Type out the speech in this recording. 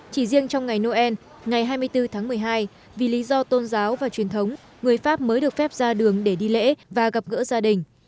chỉ riêng trong ngày noel ngày hai mươi bốn tháng một mươi hai vì lý do tôn giáo và truyền thống người pháp mới được phép ra đường để đi lễ và gặp gỡ gia đình